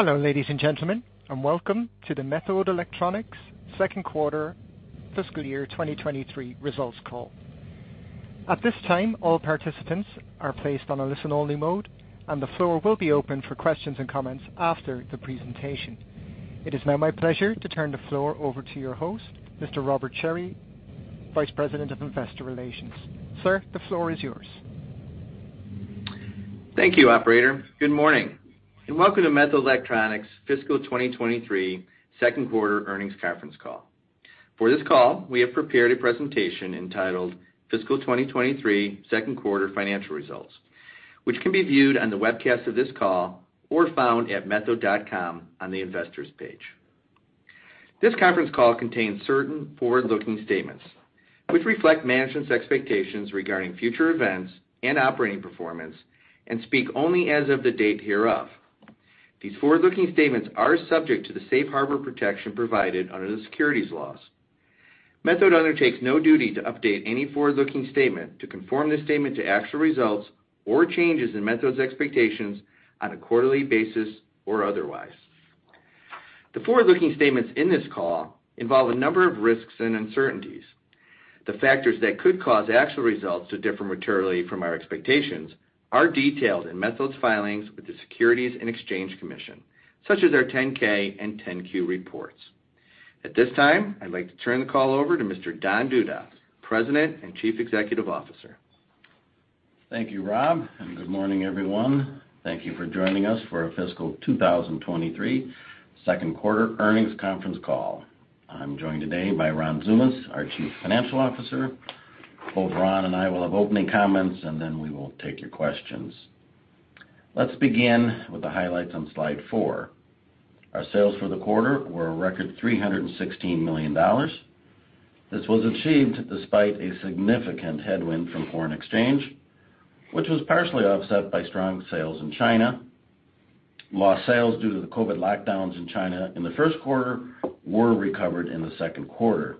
Hello, ladies and gentlemen, and welcome to the Methode Electronics second quarter fiscal year 2023 results call. At this time, all participants are placed on a listen-only mode, and the floor will be open for questions and comments after the presentation. It is now my pleasure to turn the floor over to your host, Mr. Robert Cherry, Vice President of Investor Relations. Sir, the floor is yours. Thank you, operator. Good morning, and welcome to Methode Electronics fiscal 2023 second quarter earnings conference call. For this call, we have prepared a presentation entitled Fiscal 2023 Second Quarter Financial Results, which can be viewed on the webcast of this call or found at methode.com on the Investors page. This conference call contains certain forward-looking statements which reflect management's expectations regarding future events and operating performance and speak only as of the date hereof. These forward-looking statements are subject to the safe harbor protection provided under the securities laws. Methode undertakes no duty to update any forward-looking statement to conform the statement to actual results or changes in Methode's expectations on a quarterly basis or otherwise. The forward-looking statements in this call involve a number of risks and uncertainties. The factors that could cause actual results to differ materially from our expectations are detailed in Methode's filings with the Securities and Exchange Commission, such as our 10-K and 10-Q reports. At this time, I'd like to turn the call over to Mr. Don Duda, President and Chief Executive Officer. Thank you, Rob. Good morning, everyone. Thank you for joining us for our fiscal 2023 second quarter earnings conference call. I'm joined today by Ronald Tsoumas, our Chief Financial Officer. Both Ron and I will have opening comments. We will take your questions. Let's begin with the highlights on slide 4. Our sales for the quarter were a record $316 million. This was achieved despite a significant headwind from foreign exchange, which was partially offset by strong sales in China. Lost sales due to the COVID lockdowns in China in the first quarter were recovered in the second quarter.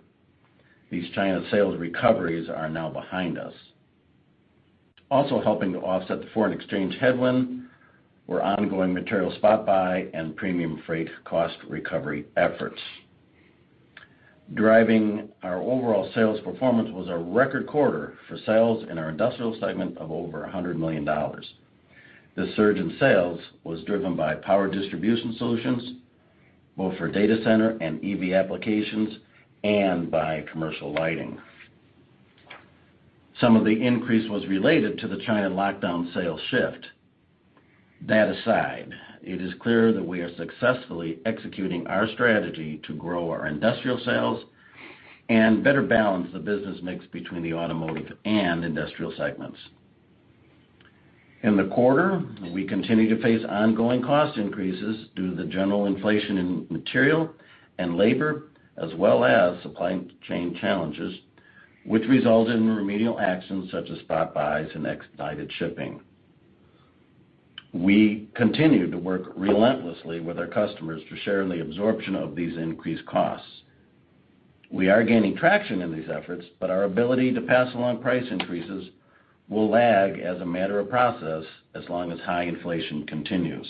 These China sales recoveries are now behind us. Helping to offset the foreign exchange headwind were ongoing material spot buy and premium freight cost recovery efforts. Driving our overall sales performance was a record quarter for sales in our industrial segment of over $100 million. This surge in sales was driven by power distribution solutions, both for data center and EV applications and by commercial lighting. Some of the increase was related to the China lockdown sales shift. That aside, it is clear that we are successfully executing our strategy to grow our industrial sales and better balance the business mix between the automotive and industrial segments. In the quarter, we continue to face ongoing cost increases due to the general inflation in material and labor, as well as supply chain challenges, which result in remedial actions such as spot buys and expedited shipping. We continue to work relentlessly with our customers to share in the absorption of these increased costs. We are gaining traction in these efforts. Our ability to pass along price increases will lag as a matter of process as long as high inflation continues.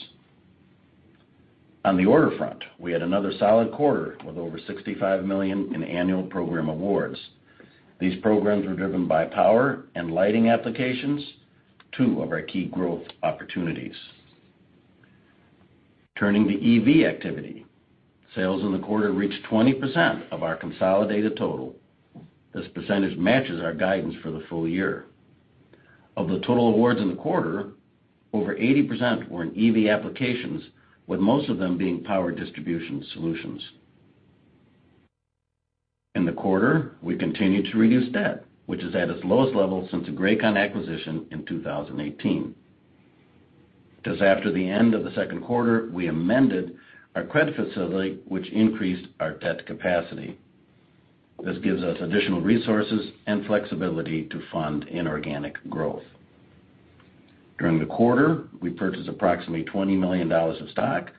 On the order front, we had another solid quarter with over $65 million in annual program awards. These programs were driven by power and lighting applications, two of our key growth opportunities. Turning to EV activity. Sales in the quarter reached 20% of our consolidated total. This percentage matches our guidance for the full year. Of the total awards in the quarter, over 80% were in EV applications, with most of them being power distribution solutions. In the quarter, we continued to reduce debt, which is at its lowest level since the Grakon acquisition in 2018. Just after the end of the second quarter, we amended our credit facility, which increased our debt capacity. This gives us additional resources and flexibility to fund inorganic growth. During the quarter, we purchased approximately $20 million of stock.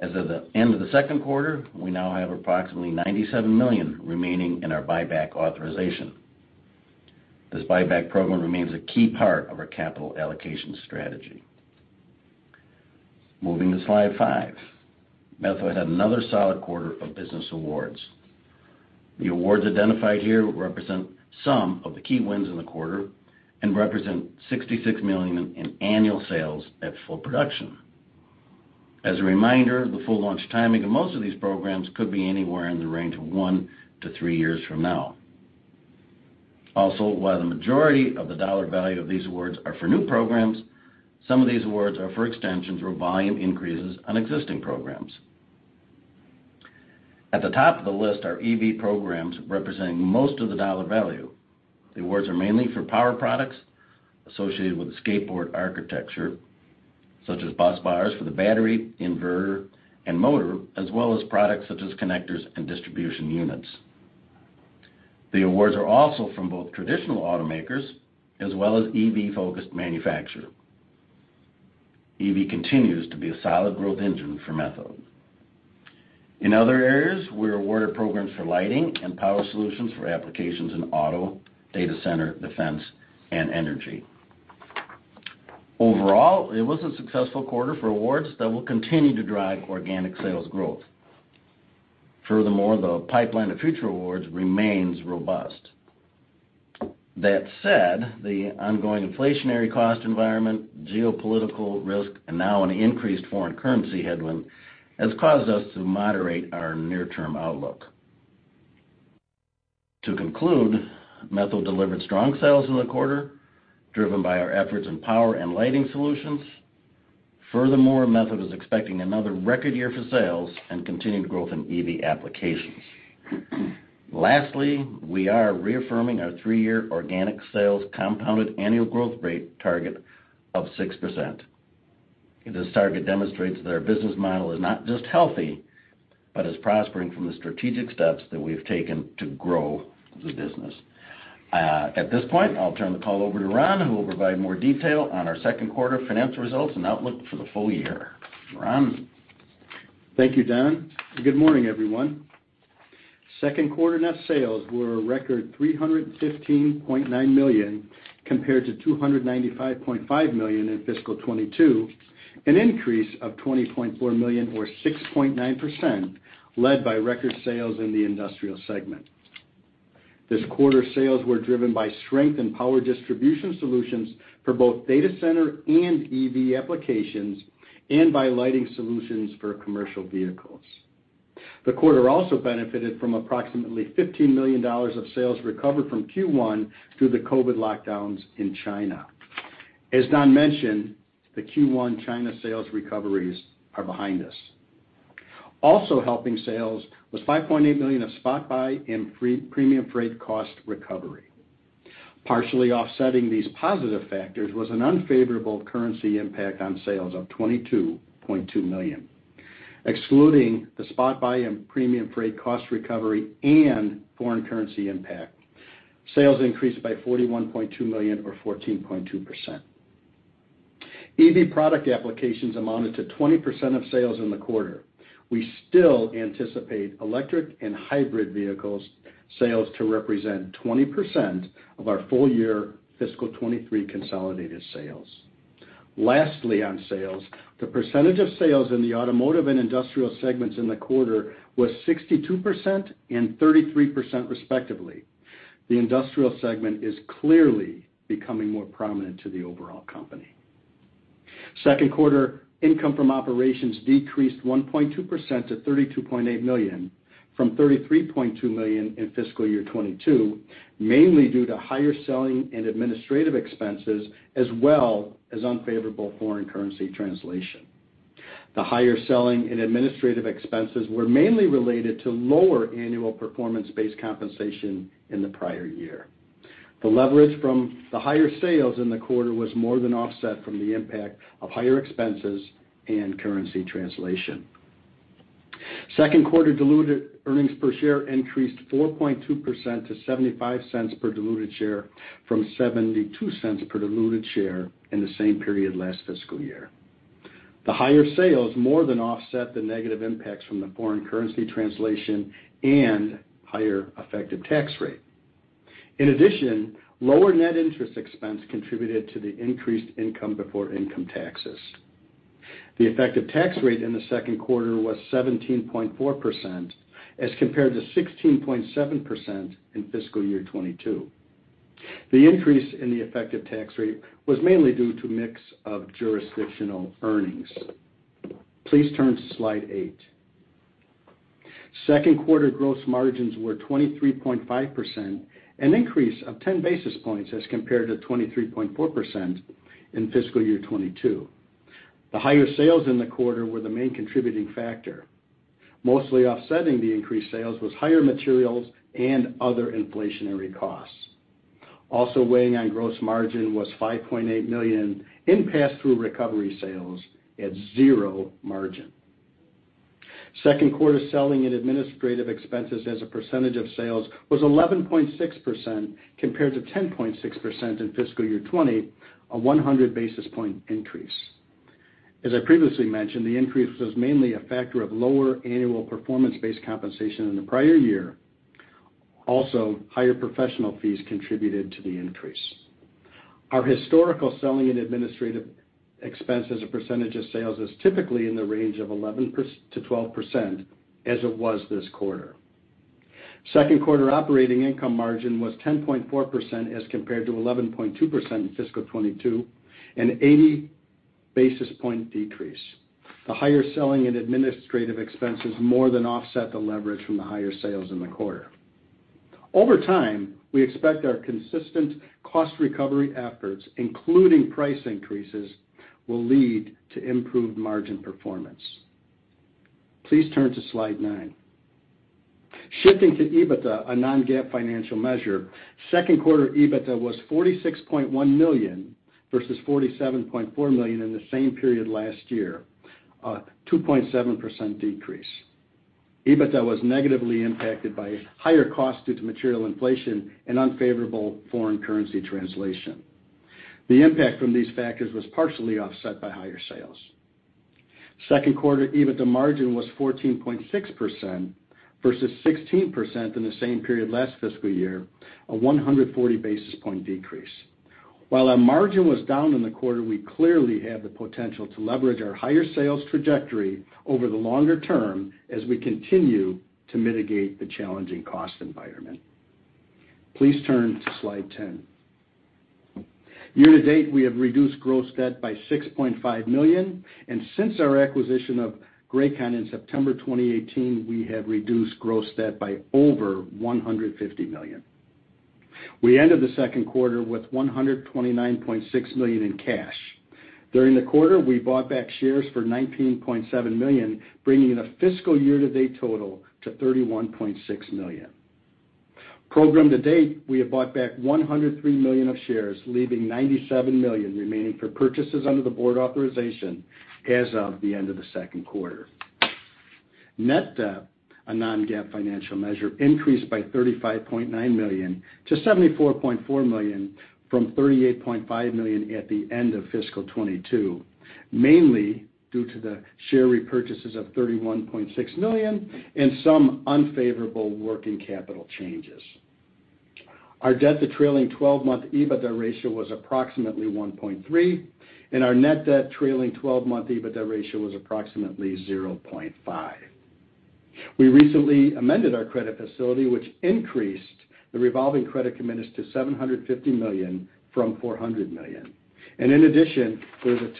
As of the end of the second quarter, we now have approximately $97 million remaining in our buyback authorization. This buyback program remains a key part of our capital allocation strategy. Moving to slide 5. Methode had another solid quarter of business awards. The awards identified here represent some of the key wins in the quarter and represent $66 million in annual sales at full production. As a reminder, the full launch timing of most of these programs could be anywhere in the range of 1-3 years from now. Also, while the majority of the dollar value of these awards are for new programs, some of these awards are for extensions or volume increases on existing programs. At the top of the list are EV programs, representing most of the dollar value. The awards are mainly for power products associated with the skateboard architecture, such as bus bars for the battery, inverter, and motor, as well as products such as connectors and distribution units. The awards are also from both traditional automakers as well as EV-focused manufacturer. EV continues to be a solid growth engine for Methode. In other areas, we were awarded programs for lighting and power solutions for applications in auto, data center, defense, and energy. Overall, it was a successful quarter for awards that will continue to drive organic sales growth. The pipeline of future awards remains robust. That said, the ongoing inflationary cost environment, geopolitical risk, and now an increased foreign currency headwind has caused us to moderate our near-term outlook. To conclude, Methode delivered strong sales in the quarter, driven by our efforts in power and lighting solutions. Furthermore, Methode is expecting another record year for sales and continued growth in EV applications. Lastly, we are reaffirming our three-year organic sales compounded annual growth rate target of 6%. This target demonstrates that our business model is not just healthy, but is prospering from the strategic steps that we have taken to grow the business. At this point, I'll turn the call over to Ron, who will provide more detail on our second quarter financial results and outlook for the full year. Ron? Thank you, Don. Good morning, everyone. Second quarter net sales were a record $315.9 million compared to $295.5 million in fiscal 2022, an increase of $20.4 million or 6.9% led by record sales in the industrial segment. This quarter, sales were driven by strength in power distribution solutions for both data center and EV applications and by lighting solutions for commercial vehicles. The quarter also benefited from approximately $15 million of sales recovered from Q1 through the COVID lockdowns in China. As Don mentioned, the Q1 China sales recoveries are behind us. Also helping sales was $5.8 million of spot buy and premium freight cost recovery. Partially offsetting these positive factors was an unfavorable currency impact on sales of $22.2 million. Excluding the spot buy and premium freight cost recovery and foreign currency impact, sales increased by $41.2 million or 14.2%. EV product applications amounted to 20% of sales in the quarter. We still anticipate electric and hybrid vehicles sales to represent 20% of our full year fiscal 2023 consolidated sales. Lastly, on sales, the percentage of sales in the automotive and industrial segments in the quarter was 62% and 33% respectively. The industrial segment is clearly becoming more prominent to the overall company. Second quarter income from operations decreased 1.2% to $32.8 million from $33.2 million in fiscal year 2022, mainly due to higher selling and administrative expenses as well as unfavorable foreign currency translation. The higher selling and administrative expenses were mainly related to lower annual performance-based compensation in the prior year. The leverage from the higher sales in the quarter was more than offset from the impact of higher expenses and currency translation. Second quarter diluted earnings per share increased 4.2% to $0.75 per diluted share from $0.72 per diluted share in the same period last fiscal year. The higher sales more than offset the negative impacts from the foreign currency translation and higher effective tax rate. Lower net interest expense contributed to the increased income before income taxes. The effective tax rate in the second quarter was 17.4% as compared to 16.7% in fiscal year 2022. The increase in the effective tax rate was mainly due to mix of jurisdictional earnings. Please turn to slide 8. Second quarter gross margins were 23.5%, an increase of 10 basis points as compared to 23.4% in fiscal year 2022. The higher sales in the quarter were the main contributing factor. Mostly offsetting the increased sales was higher materials and other inflationary costs. Also weighing on gross margin was $5.8 million in passthrough recovery sales at zero margin. Second quarter selling and administrative expenses as a percentage of sales was 11.6% compared to 10.6% in fiscal year 2020, a 100 basis point increase. As I previously mentioned, the increase was mainly a factor of lower annual performance-based compensation in the prior year. Higher professional fees contributed to the increase. Our historical selling and administrative expense as a percentage of sales is typically in the range of 11%-12%, as it was this quarter. Second quarter operating income margin was 10.4% as compared to 11.2% in fiscal 2022, an 80 basis point decrease. The higher selling and administrative expenses more than offset the leverage from the higher sales in the quarter. Over time, we expect our consistent cost recovery efforts, including price increases, will lead to improved margin performance. Please turn to slide 9. Shifting to EBITDA, a non-GAAP financial measure, second quarter EBITDA was $46.1 million versus $47.4 million in the same period last year, a 2.7% decrease. EBITDA was negatively impacted by higher costs due to material inflation and unfavorable foreign currency translation. The impact from these factors was partially offset by higher sales. Second quarter EBITDA margin was 14.6% versus 16% in the same period last fiscal year, a 140 basis point decrease. While our margin was down in the quarter, we clearly have the potential to leverage our higher sales trajectory over the longer term as we continue to mitigate the challenging cost environment. Please turn to slide 10. Year-to-date, we have reduced gross debt by $6.5 million, and since our acquisition of Grakon in September 2018, we have reduced gross debt by over $150 million. We ended the second quarter with $129.6 million in cash. During the quarter, we bought back shares for $19.7 million, bringing in a fiscal year-to-date total to $31.6 million. Program to date, we have bought back $103 million of shares, leaving $97 million remaining for purchases under the board authorization as of the end of the second quarter. Net debt, a non-GAAP financial measure, increased by $35.9 million to $74.4 million from $38.5 million at the end of fiscal 2022, mainly due to the share repurchases of $31.6 million and some unfavorable working capital changes. Our debt to trailing twelve-month EBITDA ratio was approximately 1.3x, and our net debt trailing twelve-month EBITDA ratio was approximately 0.5. We recently amended our credit facility, which increased the revolving credit commitments to $750 million from $400 million. In addition, there's a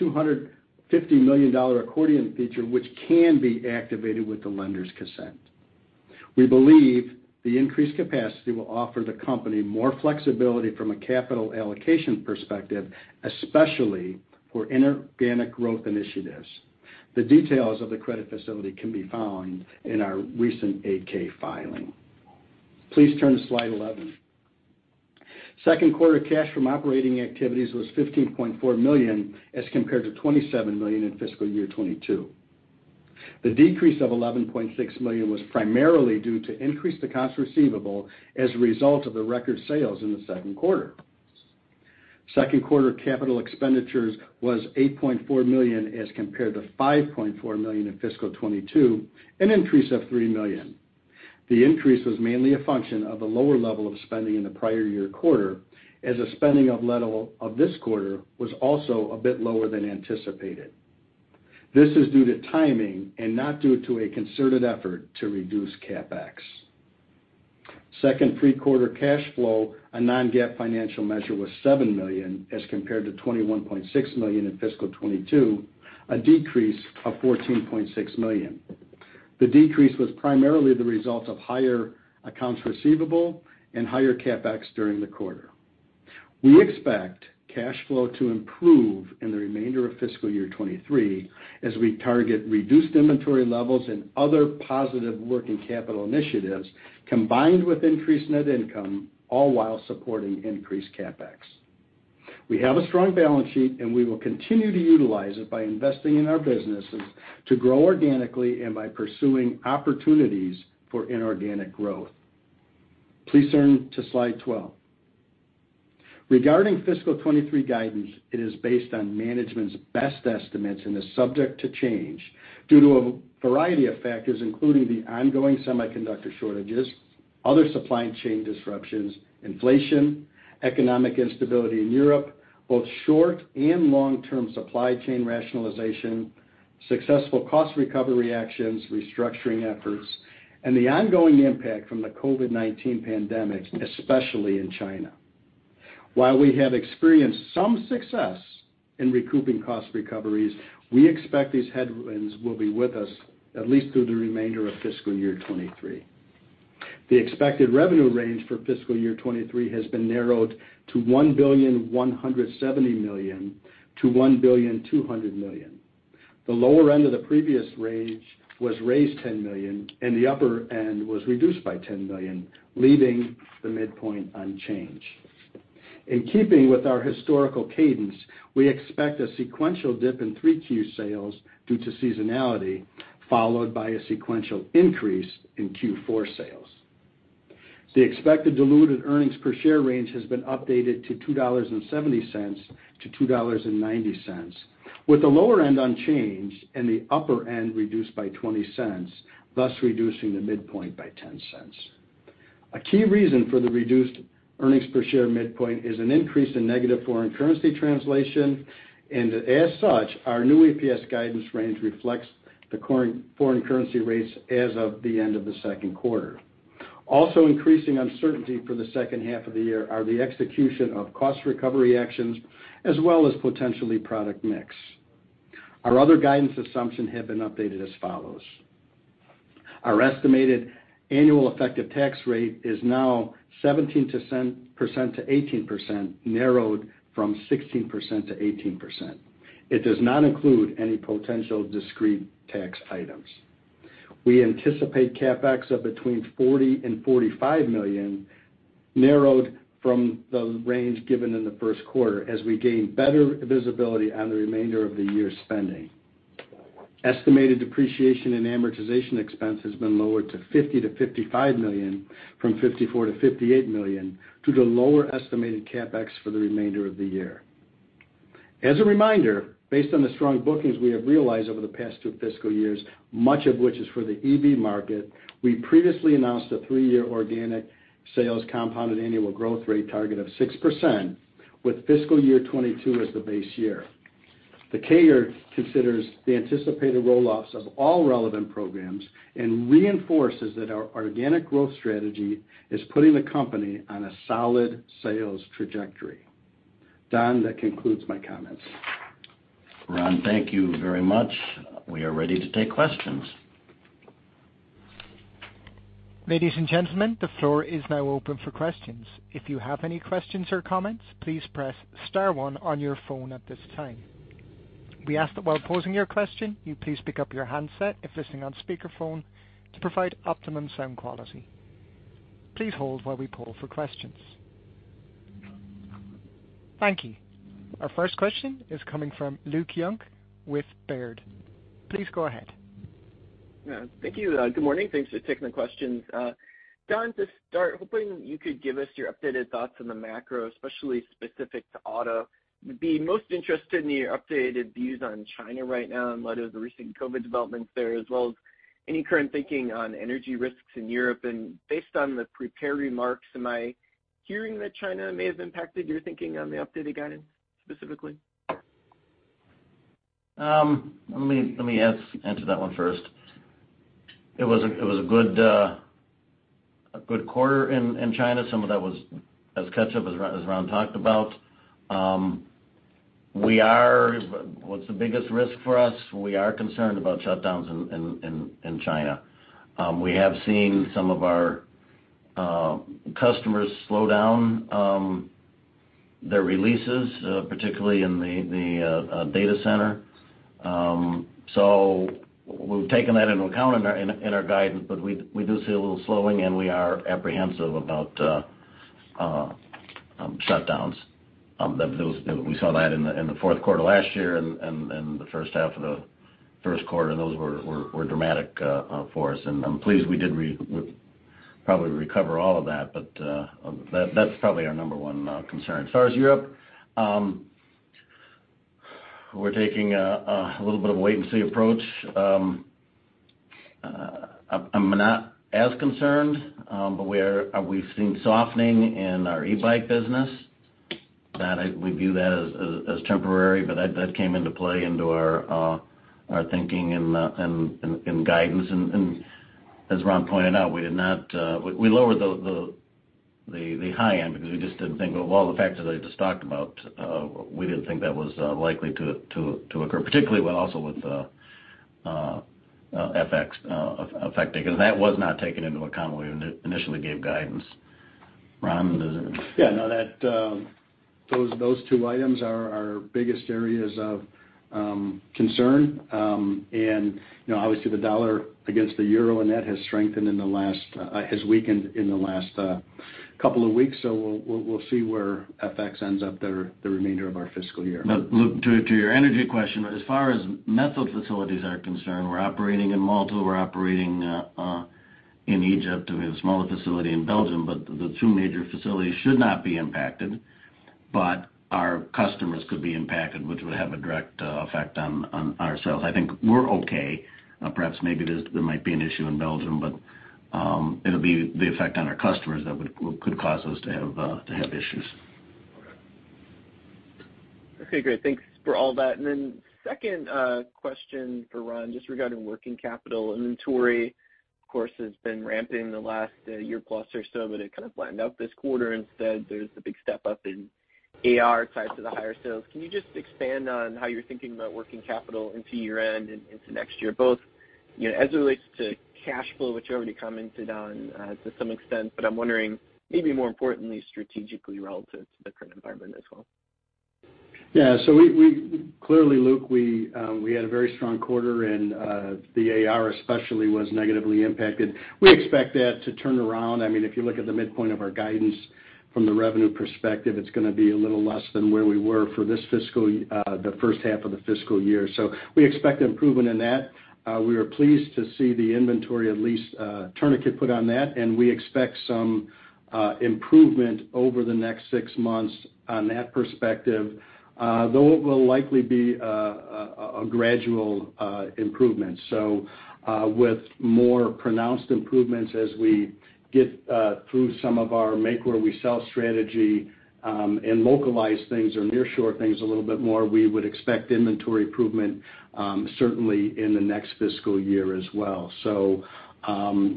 $250 million accordion feature which can be activated with the lender's consent. We believe the increased capacity will offer the company more flexibility from a capital allocation perspective, especially for inorganic growth initiatives. The details of the credit facility can be found in our recent 8-K filing. Please turn to slide 11. Second quarter cash from operating activities was $15.4 million as compared to $27 million in fiscal year 2022. The decrease of $11.6 million was primarily due to increase accounts receivable as a result of the record sales in the second quarter. Second quarter capital expenditures was $8.4 million as compared to $5.4 million in fiscal 2022, an increase of $3 million. The increase was mainly a function of a lower level of spending in the prior year quarter, as the spending of this quarter was also a bit lower than anticipated. This is due to timing and not due to a concerted effort to reduce CapEx. Second, free quarter cash flow, a non-GAAP financial measure, was $7 million as compared to $21.6 million in fiscal 2022, a decrease of $14.6 million. The decrease was primarily the result of higher accounts receivable and higher CapEx during the quarter. We expect cash flow to improve in the remainder of fiscal year 2023 as we target reduced inventory levels and other positive working capital initiatives, combined with increased net income, all while supporting increased CapEx. We have a strong balance sheet, and we will continue to utilize it by investing in our businesses to grow organically and by pursuing opportunities for inorganic growth. Please turn to slide 12. Regarding fiscal 2023 guidance, it is based on management's best estimates and is subject to change due to a variety of factors, including the ongoing semiconductor shortages, other supply chain disruptions, inflation, economic instability in Europe, both short- and long-term supply chain rationalization, successful cost recovery actions, restructuring efforts, and the ongoing impact from the COVID-19 pandemic, especially in China. While we have experienced some success in recouping cost recoveries, we expect these headwinds will be with us at least through the remainder of fiscal year 2023. The expected revenue range for fiscal year 2023 has been narrowed to $1.17 billion-$1.2 billion. The lower end of the previous range was raised $10 million and the upper end was reduced by $10 million, leaving the midpoint unchanged. In keeping with our historical cadence, we expect a sequential dip in 3Q sales due to seasonality, followed by a sequential increase in Q4 sales. The expected diluted earnings per share range has been updated to $2.70-$2.90, with the lower end unchanged and the upper end reduced by $0.20, thus reducing the midpoint by $0.10. A key reason for the reduced earnings per share midpoint is an increase in negative foreign currency translation, and as such, our new EPS guidance range reflects the current foreign currency rates as of the end of the second quarter. Also increasing uncertainty for the second half of the year are the execution of cost recovery actions as well as potentially product mix. Our other guidance assumption have been updated as follows. Our estimated annual effective tax rate is now 17% to 18%, narrowed from 16% to 18%. It does not include any potential discrete tax items. We anticipate CapEx of between $40 million and $45 million narrowed from the range given in the first quarter as we gain better visibility on the remainder of the year spending. Estimated depreciation and amortization expense has been lowered to $50 million-$55 million from $54 million-$58 million due to lower estimated CapEx for the remainder of the year. As a reminder, based on the strong bookings we have realized over the past two fiscal years, much of which is for the EV market, we previously announced a three-year organic sales compounded annual growth rate target of 6%, with fiscal year 2022 as the base year. The CAGR considers the anticipated roll-offs of all relevant programs and reinforces that our organic growth strategy is putting the company on a solid sales trajectory. Don, that concludes my comments. Ron, thank you very much. We are ready to take questions. Ladies and gentlemen, the floor is now open for questions. If you have any questions or comments, please press star one on your phone at this time. We ask that while posing your question, you please pick up your handset if listening on speakerphone to provide optimum sound quality. Please hold while we poll for questions. Thank you. Our first question is coming from Luke Junk with Baird. Please go ahead. Yeah. Thank you. Good morning. Thanks for taking the questions. Don, to start, hoping you could give us your updated thoughts on the macro, especially specific to auto. Would be most interested in your updated views on China right now in light of the recent COVID developments there, as well as any current thinking on energy risks in Europe. Based on the prepared remarks, am I hearing that China may have impacted your thinking on the updated guidance specifically? Let me answer that one first. It was a good quarter in China. Some of that was as catch-up as Ron talked about. What's the biggest risk for us? We are concerned about shutdowns in China. We have seen some of our customers slow down their releases, particularly in the data center. We've taken that into account in our guidance, but we do see a little slowing, and we are apprehensive about shutdowns. Those we saw that in the fourth quarter last year and the first half of the first quarter, those were dramatic for us. I'm pleased we did probably recover all of that, but that's probably our number one concern. As far as Europe, we're taking a little bit of a wait-and-see approach. I'm not as concerned, but we've seen softening in our e-bike business. That we view that as temporary, but that came into play into our thinking and guidance. As Ron pointed out, we did not. We lowered the high end because we just didn't think with all the factors I just talked about, we didn't think that was likely to occur, particularly when also with FX affecting, 'cause that was not taken into account when we initially gave guidance. Yeah, no, that, those two items are our biggest areas of concern. You know, obviously the dollar against the euro, and that has weakened in the last couple of weeks, we'll see where FX ends up the remainder of our fiscal year. Luke, to your energy question, as far as Methode facilities are concerned, we're operating in Malta, we're operating in Egypt. We have a smaller facility in Belgium, but the two major facilities should not be impacted. Our customers could be impacted, which would have a direct effect on ourselves. I think we're okay. Perhaps maybe there might be an issue in Belgium, but it'll be the effect on our customers that could cause us to have issues. Okay. Okay, great. Thanks for all that. Second, question for Ron, just regarding working capital. Inventory, of course, has been ramping the last, year plus or so, but it kind of flattened out this quarter. Instead, there's the big step up in AR tied to the higher sales. Can you just expand on how you're thinking about working capital into year-end and into next year, both, you know, as it relates to cash flow, which you already commented on, to some extent, but I'm wondering maybe more importantly strategically relative to the current environment as well? Yeah. We clearly, Luke, we had a very strong quarter and the AR especially was negatively impacted. We expect that to turn around. I mean, if you look at the midpoint of our guidance from the revenue perspective, it's gonna be a little less than where we were for this fiscal, the first half of the fiscal year. We expect improvement in that. We are pleased to see the inventory at least, tourniquet put on that, and we expect some improvement over the next six months on that perspective. Though it will likely be a gradual improvement. With more pronounced improvements as we get through some of our make where we sell strategy, and localize things or nearshore things a little bit more, we would expect inventory improvement, certainly in the next fiscal year as well.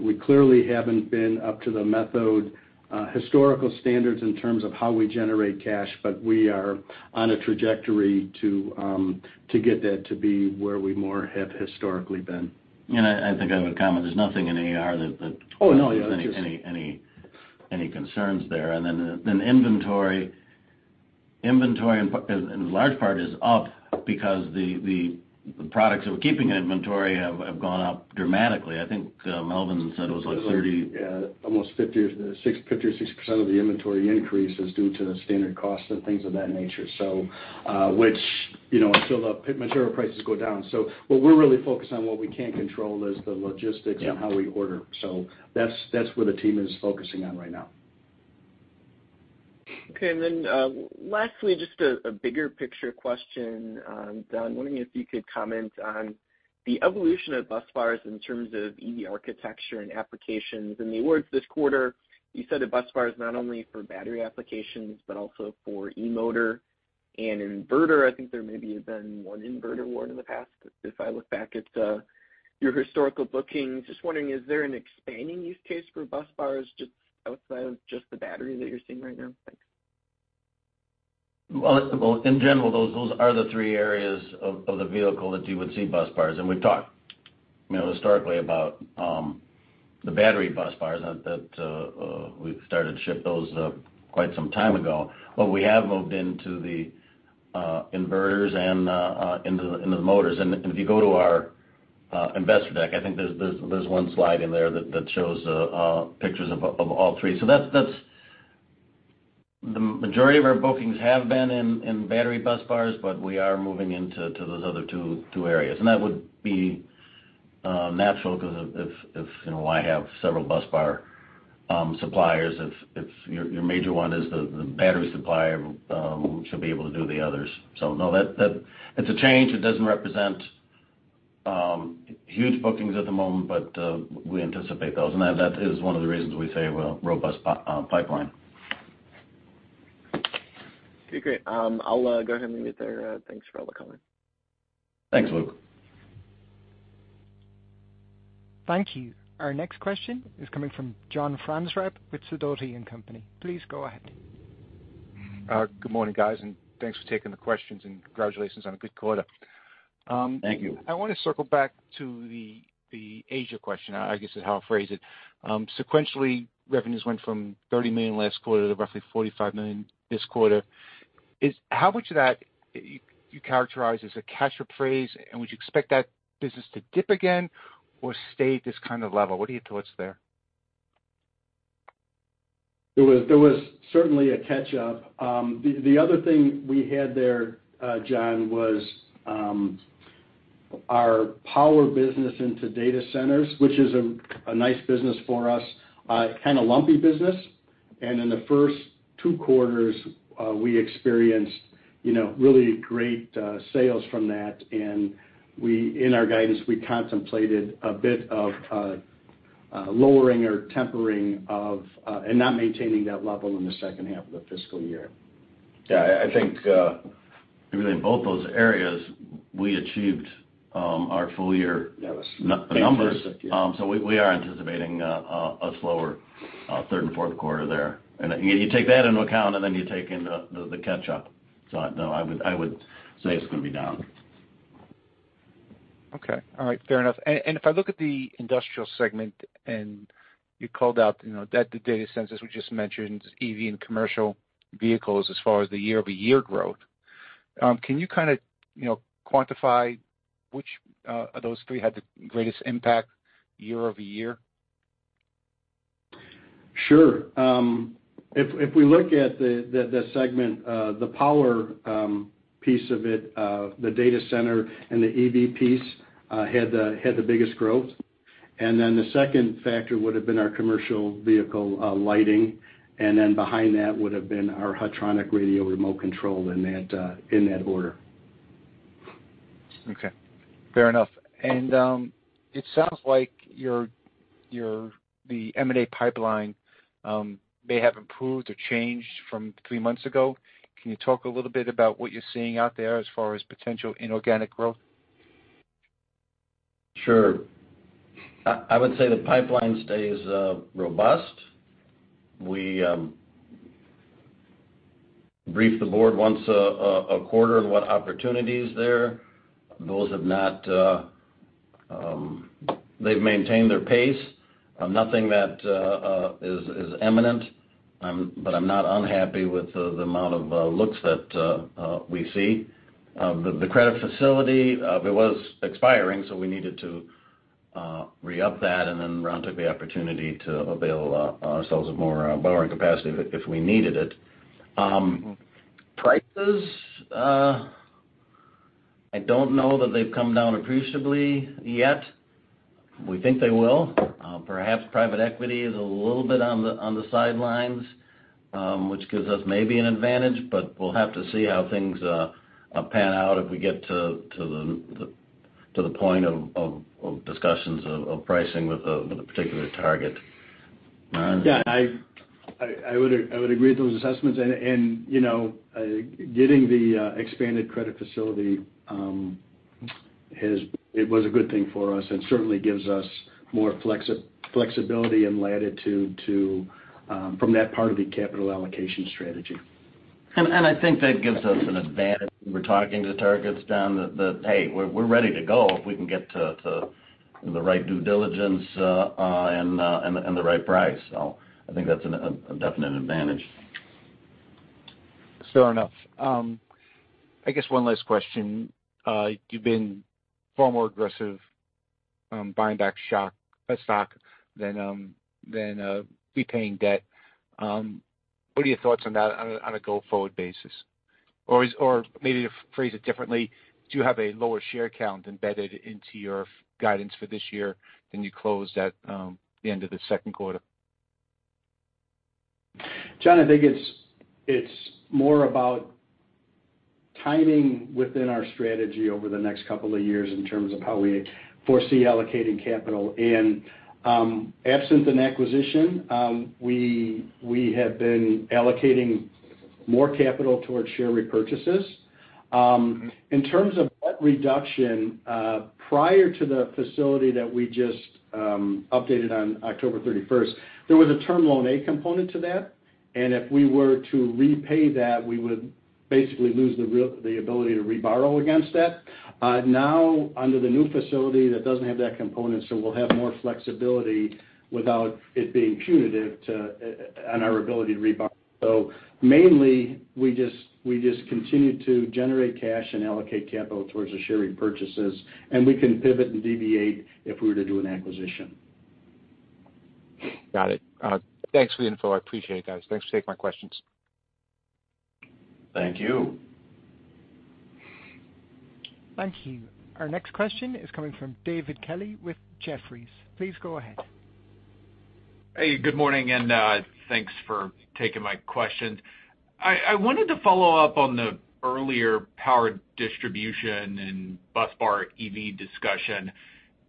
We clearly haven't been up to the Methode, historical standards in terms of how we generate cash, but we are on a trajectory to get that to be where we more have historically been. I think I would comment there's nothing in AR that... Oh, no. ...any concerns there. Then inventory in large part is up because the products that we're keeping in inventory have gone up dramatically. I think Melvin said it was like. Yeah, almost 50% or 60% of the inventory increase is due to the standard cost and things of that nature. Which, you know, until the material prices go down. What we're really focused on what we can control is the logistics- Yeah. ...and how we order. That's where the team is focusing on right now. Okay. Lastly, just a bigger picture question, Don. Wondering if you could comment on the evolution of bus bars in terms of EV architecture and applications. In the awards this quarter, you said that bus bar is not only for battery applications, but also for e-motor and inverter. I think there maybe have been 1 inverter award in the past, if I look back at your historical bookings. Just wondering, is there an expanding use case for bus bars just outside of just the battery that you're seeing right now? Thanks. Well, in general, those are the three areas of the vehicle that you would see bus bars. We've talked, you know, historically about the battery bus bars that we started to ship those quite some time ago. We have moved into the inverters and into the motors. If you go to our investor deck, I think there's one slide in there that shows pictures of all three. That's. The majority of our bookings have been in battery bus bars, but we are moving into those other two areas. That would be natural because if, you know, I have several bus bar suppliers, if your major one is the battery supplier, we should be able to do the others. No, that it's a change. It doesn't represent huge bookings at the moment, but we anticipate those. That is one of the reasons we say we're a robust pipeline. Okay, great. I'll go ahead and leave it there. Thanks for all the color. Thanks, Luke. Thank you. Our next question is coming from John Franzreb with Sidoti & Company. Please go ahead. Good morning, guys, and thanks for taking the questions, and congratulations on a good quarter. Thank you. I wanna circle back to the Asia question, I guess, is how I'll phrase it. Sequentially, revenues went from $30 million last quarter to roughly $45 million this quarter. How much of that you characterize as a catch-up phase, and would you expect that business to dip again or stay at this kind of level? What are your thoughts there? There was certainly a catch-up. The other thing we had there, John, was our power business into data centers, which is a nice business for us, kinda lumpy business. In the first 2 quarters, we experienced, you know, really great sales from that. We, in our guidance, we contemplated a bit of lowering or tempering of and not maintaining that level in the second half of the fiscal year. Yeah. I think, really in both those areas, we achieved, our full year numbers. We are anticipating a slower third and fourth quarter there. You take that into account, you take in the catch-up. I would say it's gonna be down. Okay. All right. Fair enough. If I look at the industrial segment, and you called out, the data centers we just mentioned, EV and commercial vehicles as far as the year-over-year growth, can you kinda quantify which of those three had the greatest impact year-over-year? Sure. If we look at the segment, the power piece of it, the data center and the EV piece had the biggest growth. The second factor would have been our commercial vehicle lighting, and then behind that would have been our Hetronic radio remote control in that order. Okay. Fair enough. It sounds like the M&A pipeline may have improved or changed from 3 months ago. Can you talk a little bit about what you're seeing out there as far as potential inorganic growth? Sure. I would say the pipeline stays robust. We brief the board once a quarter on what opportunities there. Those have not. They've maintained their pace. Nothing that is eminent, but I'm not unhappy with the amount of looks that we see. The credit facility, it was expiring, so we needed to re-up that, and then Ron took the opportunity to avail ourselves of more borrowing capacity if we needed it. Prices, I don't know that they've come down appreciably yet. We think they will. Perhaps private equity is a little bit on the sidelines, which gives us maybe an advantage, but we'll have to see how things pan out if we get to the point of discussions of pricing with a particular target. Ron? Yeah. I would agree with those assessments. You know, getting the expanded credit facility, it was a good thing for us and certainly gives us more flexibility and latitude to from that part of the capital allocation strategy. I think that gives us an advantage when we're talking to targets down the, "Hey, we're ready to go if we can get to the right due diligence and the right price." I think that's a definite advantage. Fair enough. I guess one last question. You've been far more aggressive buying back stock than repaying debt. What are your thoughts on that on a, on a go-forward basis? Or maybe to phrase it differently, do you have a lower share count embedded into your guidance for this year than you closed at the end of the second quarter? John, I think it's more about timing within our strategy over the next couple of years in terms of how we foresee allocating capital. Absent an acquisition, we have been allocating more capital towards share repurchases. In terms of debt reduction, prior to the facility that we just updated on October 31st, there was a term loan, a component to that. If we were to repay that, we would basically lose the ability to reborrow against that. Now under the new facility, that doesn't have that component, so we'll have more flexibility without it being punitive to on our ability to reborrow. Mainly, we just continue to generate cash and allocate capital towards the share repurchases, and we can pivot and deviate if we were to do an acquisition. Got it. Thanks for the info. I appreciate it, guys. Thanks for taking my questions. Thank you. Thank you. Our next question is coming from David Kelley with Jefferies. Please go ahead. Hey, good morning, thanks for taking my questions. I wanted to follow up on the earlier power distribution and busbar EV discussion.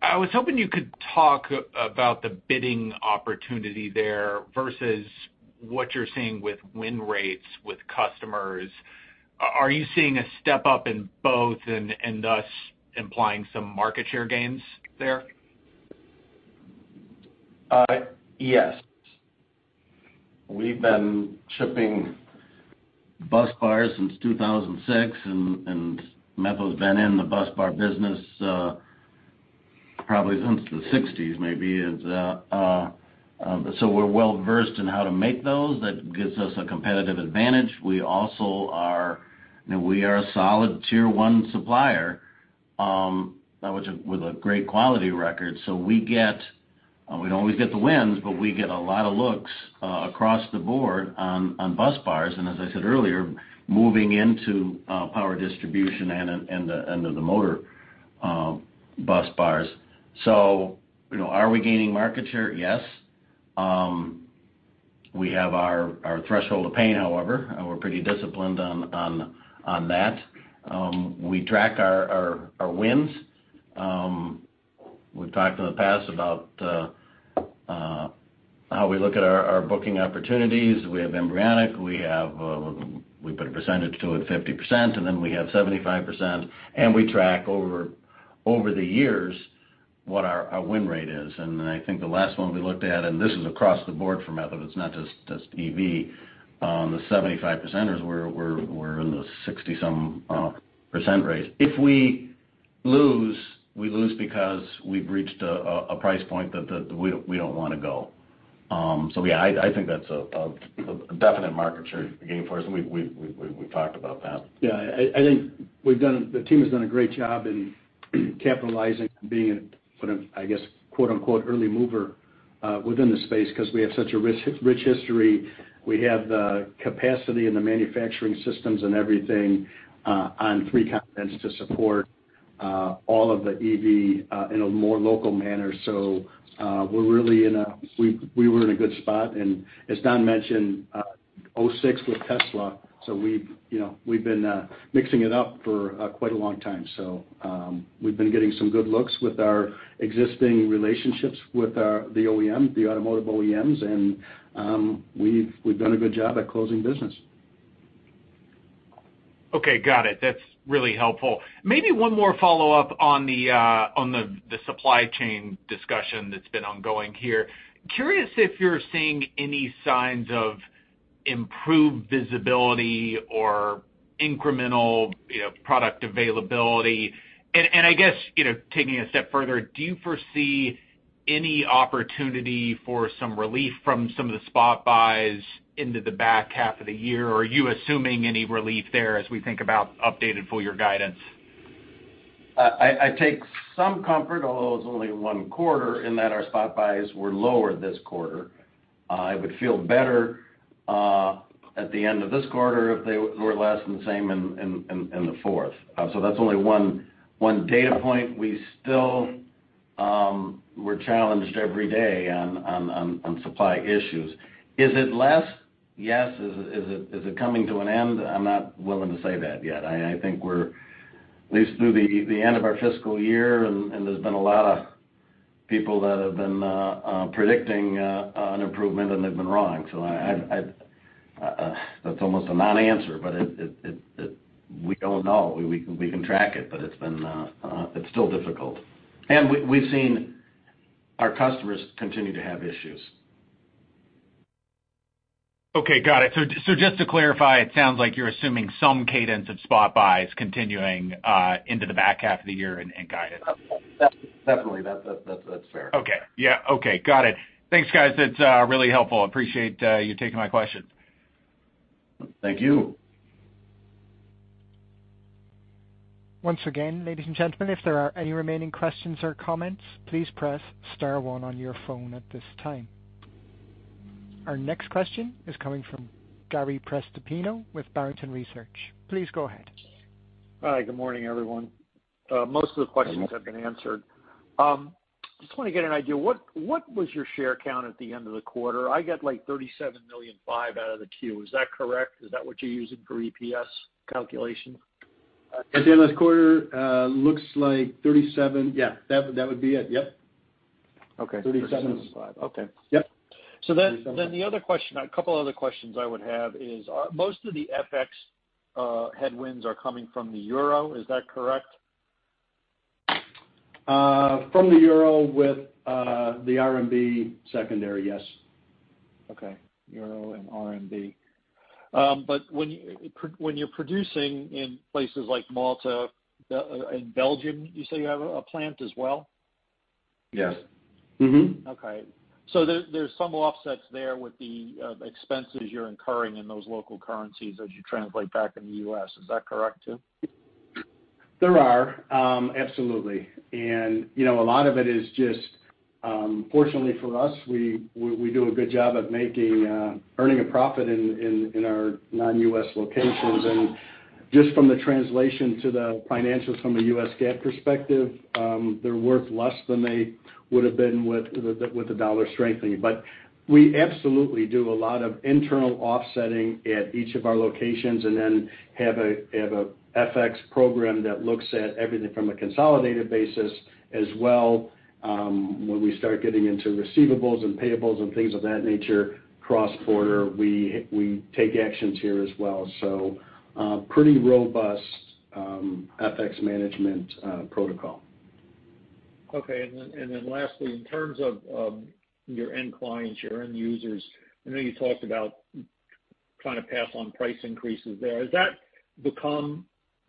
I was hoping you could talk about the bidding opportunity there versus what you're seeing with win rates with customers. Are you seeing a step up in both and thus implying some market share gains there? Yes. We've been shipping busbars since 2006, and Methode's been in the busbars business, probably since the 60s, maybe. We're well versed in how to make those. That gives us a competitive advantage. We also are. You know, we are a solid Tier 1 supplier with a great quality record. We get, we don't always get the wins, but we get a lot of looks across the board on busbars, and as I said earlier, moving into power distribution and to the motor busbars. You know, are we gaining market share? Yes. We have our threshold of pain, however, and we're pretty disciplined on that. We track our wins. We've talked in the past about how we look at our booking opportunities. We have embryonic, we have, we put a percentage to it, 50%, and then we have 75%, and we track over the years what our win rate is. I think the last one we looked at, and this is across the board for Methode, it's not just EV, the 75%ers were in the 60% some range. If we lose, we lose because we've reached a price point that we don't wanna go. Yeah, I think that's a definite market share gain for us, and we've talked about that. Yeah. I think the team has done a great job in capitalizing and being a sort of, I guess, quote-unquote, "early mover," within the space 'cause we have such a rich history. We have the capacity and the manufacturing systems and everything on three continents to support all of the EV in a more local manner. We were in a good spot. As Don mentioned, 2006 with Tesla, we've, you know, we've been mixing it up for quite a long time. We've been getting some good looks with our existing relationships with the OEM, the automotive OEMs, and we've done a good job at closing business. Okay. Got it. That's really helpful. Maybe one more follow-up on the supply chain discussion that's been ongoing here. Curious if you're seeing any signs of improved visibility or incremental, you know, product availability? I guess, you know, taking a step further, do you foresee any opportunity for some relief from some of the spot buys into the back half of the year? Are you assuming any relief there as we think about updated full year guidance? I take some comfort, although it's only 1 quarter, in that our spot buys were lower this quarter. It would feel better at the end of this quarter if they were less than the same in the fourth. That's only 1 data point. We still, we're challenged every day on supply issues. Is it less? Yes. Is it coming to an end? I'm not willing to say that yet. I think we're at least through the end of our fiscal year and there's been a lot of people that have been predicting an improvement, and they've been wrong. I... That's almost a non-answer, but it... We don't know. We can track it, but it's still difficult. We've seen our customers continue to have issues. Okay. Got it. Just to clarify, it sounds like you're assuming some cadence of spot buys continuing into the back half of the year in guidance. Definitely. That's fair. Okay. Yeah. Okay. Got it. Thanks, guys. That's really helpful. Appreciate you taking my questions. Thank you. Once again, ladies and gentlemen, if there are any remaining questions or comments, please press star one on your phone at this time. Our next question is coming from Gary Prestopino with Barrington Research. Please go ahead. Hi, good morning, everyone. most of the questions- Good morning. have been answered. Just wanna get an idea. What was your share count at the end of the quarter? I get, like, 37.5 million out of the Q. Is that correct? Is that what you're using for EPS calculation? At the end of the quarter, looks like 37. Yeah, that would be it. Yep. Okay. 37.5. Okay. Yep. Then a couple other questions I would have is, are most of the FX headwinds are coming from the euro? Is that correct? From the euro with the RMB secondary, yes. Okay. Euro and RMB. When you're producing in places like Malta, in Belgium, you say you have a plant as well? Yes. Mm-hmm. There's some offsets there with the expenses you're incurring in those local currencies as you translate back into U.S. Is that correct too? There are absolutely. You know, a lot of it is just fortunately for us, we do a good job at making earning a profit in our non-U.S. locations. Just from the translation to the financials from a US GAAP perspective, they're worth less than they would have been with the dollar strengthening. We absolutely do a lot of internal offsetting at each of our locations and then have a FX program that looks at everything from a consolidated basis as well, when we start getting into receivables and payables and things of that nature cross-border, we take actions here as well. Pretty robust FX management protocol. Lastly, in terms of your end clients, your end users, I know you talked about kinda pass on price increases there. Has that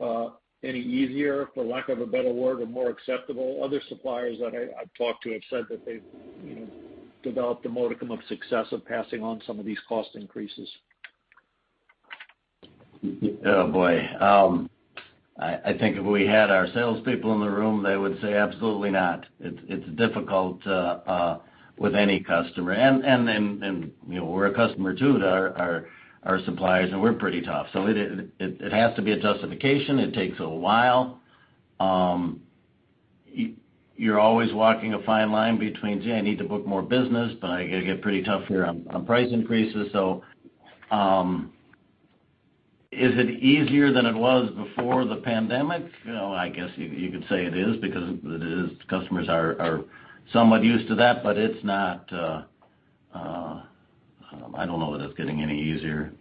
become any easier, for lack of a better word, or more acceptable? Other suppliers that I've talked to have said that they've, you know, developed a modicum of success of passing on some of these cost increases. Boy. I think if we had our sales people in the room, they would say absolutely not. It's difficult with any customer. You know, we're a customer too to our suppliers, and we're pretty tough. It has to be a justification. It takes a while. You're always walking a fine line between, "Gee, I need to book more business, but I gotta get pretty tough here on price increases." Is it easier than it was before the pandemic? You know, I guess you could say it is because it is customers are somewhat used to that, but it's not... I don't know that it's getting any easier.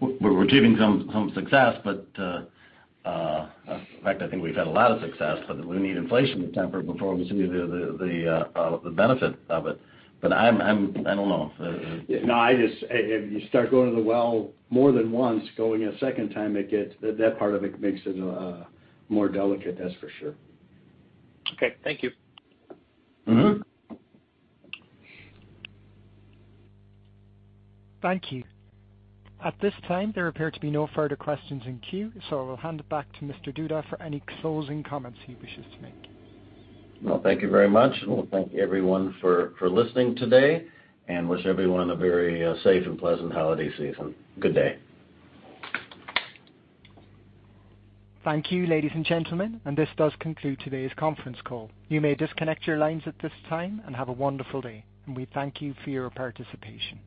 We're achieving some success, but in fact, I think we've had a lot of success, but we need inflation to temper before we see the benefit of it. I'm I don't know. No, if you start going to the well more than once, going a second time, it gets... That part of it makes it more delicate, that's for sure. Okay, thank you. Mm-hmm. Thank you. At this time, there appear to be no further questions in queue, so I will hand it back to Mr. Duda for any closing comments he wishes to make. Well, thank you very much. We thank everyone for listening today and wish everyone a very safe and pleasant holiday season. Good day. Thank you, ladies and gentlemen, and this does conclude today's conference call. You may disconnect your lines at this time and have a wonderful day, and we thank you for your participation.